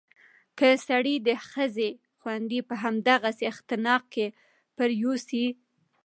که سړى د ښځې غوندې په همدغسې اختناق کې پرېوځي